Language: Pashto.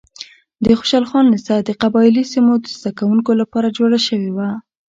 د خوشحال خان لیسه د قبایلي سیمو د زده کوونکو لپاره جوړه شوې وه.